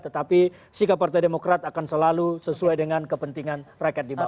tetapi sikap partai demokrat akan selalu sesuai dengan kepentingan rakyat di bawah